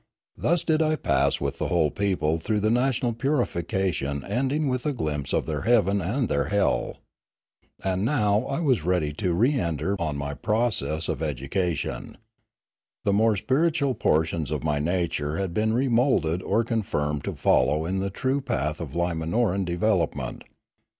Thus did I pass with the whole people through the national purification ending with a glimpse of their heaven and their hell. And now I was ready to re enter on my process of 244 My Education Continued 245 education. The more spiritual portions of my nature had been remoulded or confirmed to follow in the true path of Limanoran development.